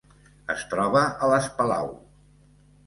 Es troba a les Palau.